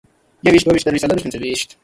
يوويشت، دوه ويشت، درویشت، څلرويشت، پنځه ويشت